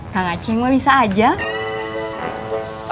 kang aceng mah bisa aja